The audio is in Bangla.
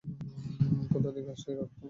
কোথা থেকে আসছে এ রক্ত?